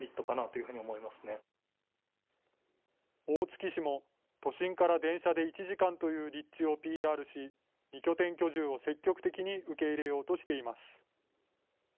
大月市も都心から電車で１時間という立地をＰＲし、２拠点居住を積極的に受け入れようとしています。